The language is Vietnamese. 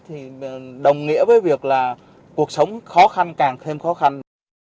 thì đồng nghĩa với việc là cuộc sống khó khăn càng thêm khó khăn